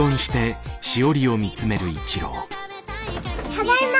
ただいま。